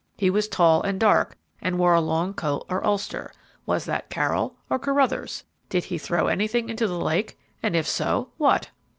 He was tall and dark, and wore a long coat or ulster. Was that Carroll or Carruthers? Did he throw anything into the lake? And if so, what?"